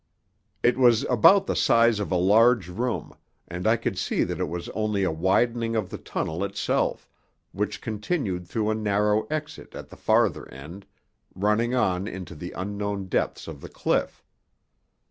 It was about the size of a large room, and I could see that it was only a widening of the tunnel itself, which continued through a narrow exit at the farther end, running on into the unknown depths of the cliff.